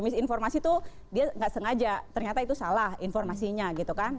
misinformasi itu dia nggak sengaja ternyata itu salah informasinya gitu kan